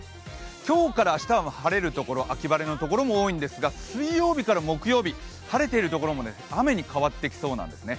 今日から明日は晴れるところ、秋晴れのところも多いんですが、水曜日から木曜日、晴れているところも雨に変わってきそうなんですね。